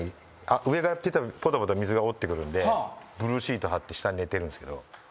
上からぽたぽた水が落ちてくるんでブルーシートはって下に寝てるんですけど。